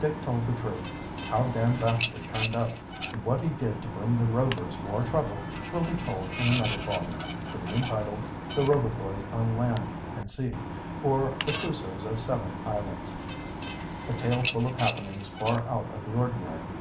Dick told the truth. How Dan Baxter turned up, and what he did to bring the Rovers more trouble, will be told in another volume, to be entitled, "The Rover Boys on Land and Sea; or, The Crusoes of Seven Islands," a tale full of happenings far out of the ordinary.